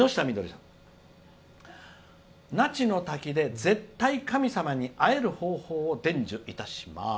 「那智の滝で絶対、神様に会える方法を伝授いたします」。